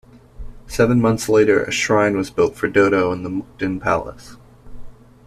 Seven months later, a shrine was built for Dodo in the Mukden Palace.